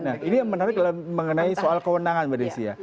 nah ini yang menarik mengenai soal kewenangan mbak desi ya